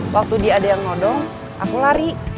waktu dia ada yang ngodong aku lari